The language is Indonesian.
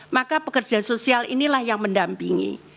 maka pekerja sosial inilah yang mendampingi